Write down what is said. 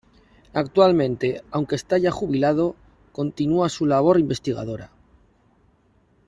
Actualmente, aunque está ya jubilado, continúa su labor investigadora.